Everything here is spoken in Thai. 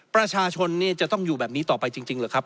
ประชาชนจะต้องอยู่แบบนี้ต่อไปจริงหรือครับ